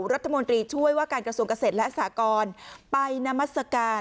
รัฐมนตรีช่วยว่าการกระทรวงเกษตรและสากรไปนามัศกาล